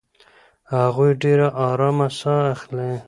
هغه ډېره ارامه ساه اخلي.